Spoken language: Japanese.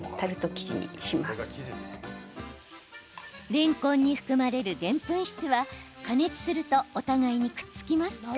れんこんに含まれるでんぷん質は加熱するとお互いにくっつきます。